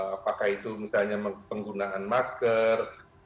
apakah itu misalnya penggunaan masker